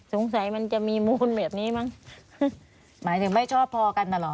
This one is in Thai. มันจะมีมูลแบบนี้มั้งหมายถึงไม่ชอบพอกันน่ะเหรอ